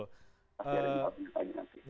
pasti ada jawabannya lagi nanti